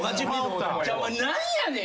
何やねん！